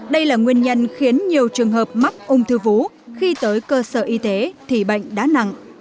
đây là nguyên nhân khiến nhiều trường hợp mắc ung thư vú khi tới cơ sở y tế thì bệnh đá nặng